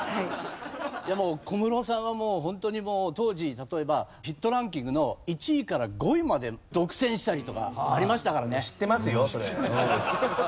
小室さんはもうホントに当時例えばヒットランキングの１位から５位まで独占したりとかありましたからね。